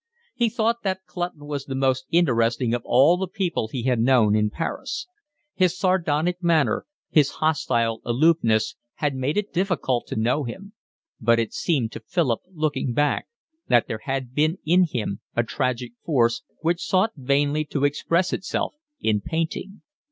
He thought that Clutton was the most interesting of all the people he had known in Paris. His sardonic manner, his hostile aloofness, had made it difficult to know him; but it seemed to Philip, looking back, that there had been in him a tragic force, which sought vainly to express itself in painting.